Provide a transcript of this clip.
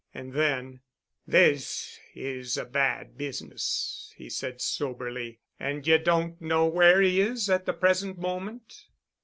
And then, "This is a bad business," he said soberly. "And ye don't know where he is at the present moment?"